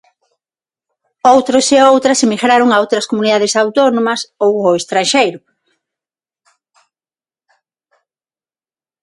Outros e outras emigraron a outras comunidades autónomas ou ao estranxeiro.